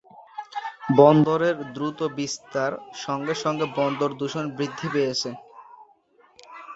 বন্দরের দ্রুত বিস্তার সঙ্গে সঙ্গে বন্দর দূষণ বৃদ্ধি পেয়েছে।